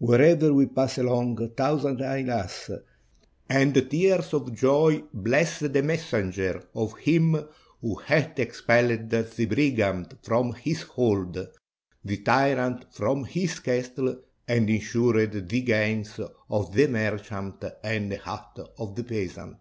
Wherever we pass along, thousands hail us, and tears of joy bless the messengers of him who hath expelled the brigand from his hold, the tyrant from his castle, and insured the gains of the merchant and the hut of the peasant."